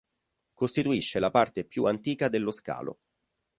Costituisce la parte più antica dello scalo.